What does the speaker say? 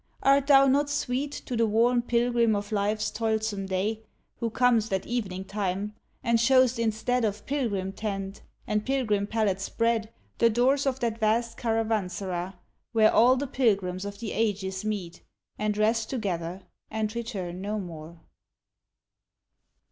art thou not sweet To the worn pilgrim of life's toilsome day, Who com'st at evening time, and show'st instead Of pilgrim tent, and pilgrim pallet spread, The doors of that vast caravansera Where all the pilgrims of the ages meet, And rest together, and return no more?